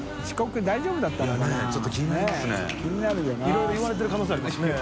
いろいろ言われてる可能性ありますね。